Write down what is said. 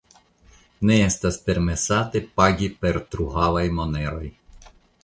Ne estas permesate pagi per truhavaj moneroj.